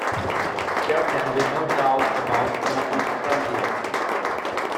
There can be no doubt about some of his qualities.